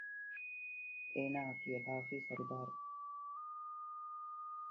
އޭނާއަކީ އެބާޣީ ސަރުދާރު